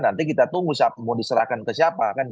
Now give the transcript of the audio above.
nanti kita tunggu siapa mau diserahkan ke siapa